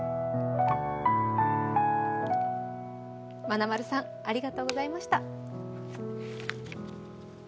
まなまるさん、ありがとうございました。